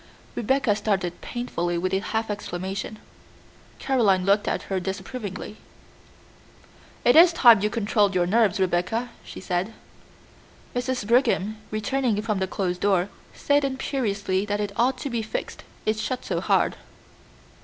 Rebecca started painfully with a half exclamation. Caroline looked at her disapprovingly. "It is time you controlled your nerves, Rebecca," she said. Mrs. Brigham, returning from the closed door, said imperiously that it ought to be fixed, it shut so hard.